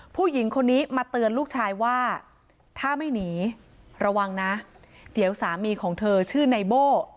ผู้หญิงคนนี้มาเตือนลูกชายว่าถ้าไม่หนีระวังนะเดี๋ยวสามีของเธอชื่อไนโบ้